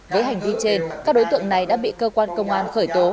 với hành vi trên các đối tượng này đã bị cơ quan công an khởi tố